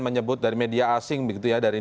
menyebut dari media asing begitu ya dari